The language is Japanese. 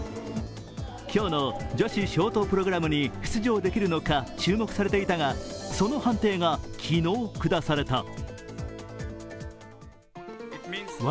今日の女子ショートプログラムに出場できるのか注目されていたがその判定が昨日、くだされた。